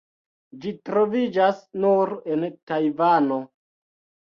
Ĝi troviĝas nur en Tajvano.